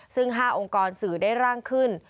ซึ่ง๕องค์กรสื่อได้ร่างขึ้น